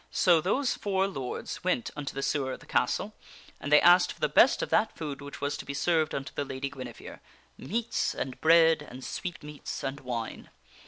So those four lords went unto the sewer of the castle, and they asked for the best of that food which was to be served unto the Lady Guinevere meats and bread and sweetmeats and wine.